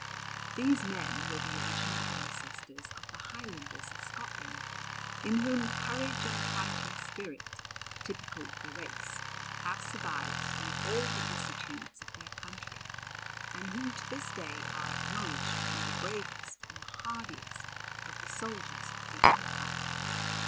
These men were the original ancestors of the Highlanders of Scotland, in whom the courage and the fighting spirit, typical of the race, have survived through all the vicissitudes of their country, and who to this day are acknowledged to be the bravest and hardiest of the soldiers of the Empire.